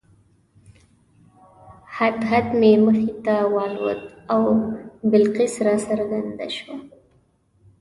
هدهد مې مخې ته والوت او بلقیس راڅرګنده شوه.